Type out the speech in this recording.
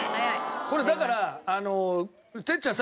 これだから哲ちゃん